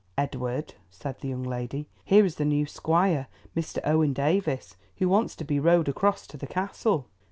"Edward," said the young lady, "here is the new squire, Mr. Owen Davies, who wants to be rowed across to the Castle."